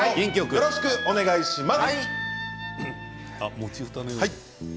よろしくお願いします。